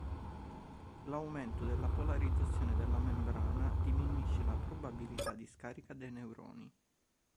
L'aumento della polarizzazione della membrana diminuisce la probabilità di scarica dei neuroni.